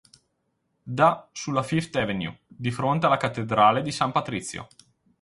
Dà sulla Fifth Avenue, di fronte alla cattedrale di San Patrizio.